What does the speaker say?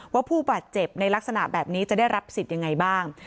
ผู้บาดเจ็บในลักษณะแบบนี้จะได้รับสิทธิ์ยังไงบ้าง